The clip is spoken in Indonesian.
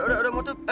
udah mau tuh